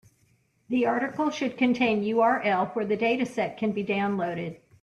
The article should contain URL where the dataset can be downloaded.